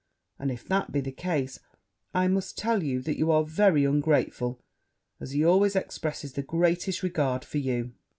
and, if that be the case, I must tell you, that you are very ungrateful, as he always expresses the greatest regard for you.'